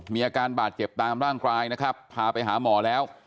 มีอาการบาดเจ็บตามร่างกายนะครับพาไปหาหมอแล้ว